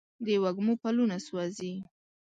د وږمو پلونه سوزي